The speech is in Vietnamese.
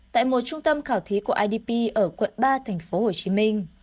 tại một trung tâm khảo thí của idp ở quận ba tp hcm